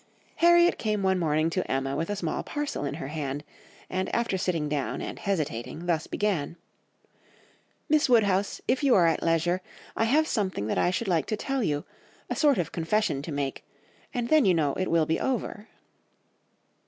"Harriet came one morning to Emma with a small parcel in her hand, and after sitting down and hesitating thus began— "'Miss Woodhouse, if you are at leisure, I have something that I should like to tell you; a sort of confession to make—and then you know it will be over.